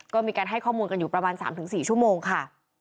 ก็มีการให้ข้อมูลกันอยู่ประมาณ๓๔ชั่วโมงค่ะ